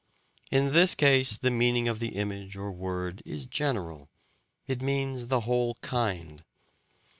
In this case the meaning of the image or word is general: it means the whole kind.